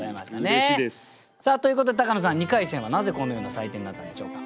うれしいです！ということで高野さん２回戦はなぜこのような採点になったんでしょうか？